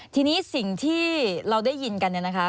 ทีนี้สิ่งที่เราได้ยินกันเนี่ยนะคะ